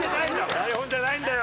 台本じゃないんだよ！